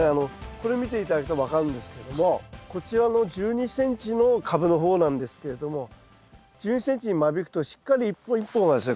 これを見て頂くと分かるんですけどもこちらの１２ｃｍのカブの方なんですけれども１２ｃｍに間引くとしっかり一本一本がですね